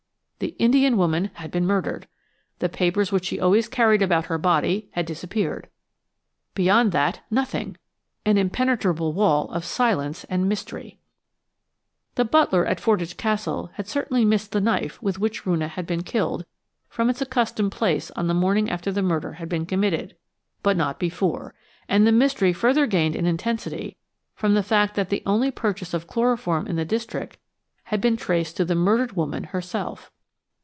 The Indian woman had been murdered! The papers which she always carried about her body had disappeared. Beyond that, nothing! An impenetrable wall of silence and mystery! The butler at Fordwych Castle had certainly missed the knife with which Roonah had been killed from its accustomed place on the morning after the murder had been committed, but not before, and the mystery further gained in intensity from the fact that the only purchase of chloroform in the district had been traced to the murdered woman herself.